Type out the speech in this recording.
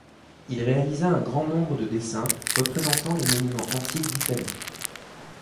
Il réalisa un grand nombre de dessins représentant les monuments antiques d'Italie.